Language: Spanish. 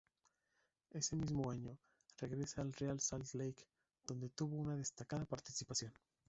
Ese mismo año, regresa al Real Salt Lake donde tuvo una destacada participación.